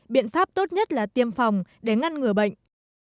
biện pháp tốt nhất là tiêm phòng để ngăn ngừa bệnh